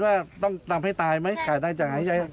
วาติต้องตามให้ตายไหมจากหายใจ